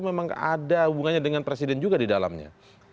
memang ada hubungannya dengan presiden juga di dalamnya